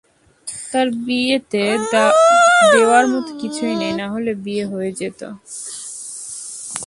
তার বিয়েতে দেওয়ার মতো কিছুই নেই, নাহলে বিয়ে হয়ে যেতো।